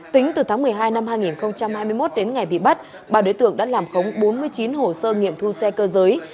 tính từ tháng một mươi hai năm hai nghìn hai mươi một đến ngày bị bắt bà đối tượng đã làm khống bốn mươi chín hồ sơ nghiệm thu xe cơ giới